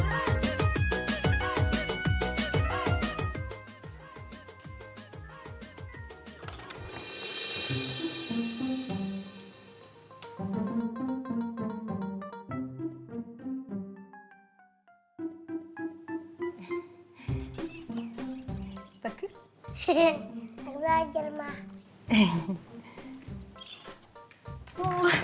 aku belajar mama